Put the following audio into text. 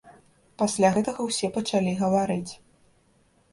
Пасля гэтага ўсе пачалі гаварыць.